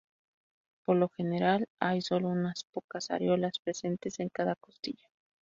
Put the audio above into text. Por lo general hay sólo unos pocas areolas presentes en cada costilla.